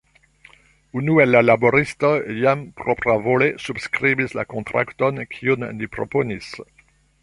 Unu el la laboristoj jam propravole subskribis la kontrakton kiun ni proponis.